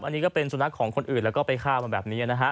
อันนี้ก็เป็นสุนัขของคนอื่นแล้วก็ไปฆ่ามันแบบนี้นะฮะ